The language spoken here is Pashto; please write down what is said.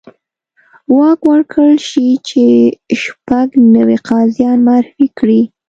واک ورکړل شي چې شپږ نوي قاضیان معرفي کړي.